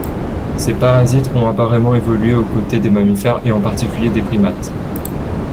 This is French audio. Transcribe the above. Ces parasites ont apparemment évolué au côté des mammifères et, en particulier, des primates.